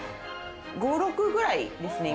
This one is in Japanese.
５、６ぐらいですね。